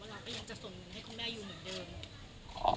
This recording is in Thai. เราก็ยังจะส่งเงินให้คุณแม่อยู่เหมือนเดิม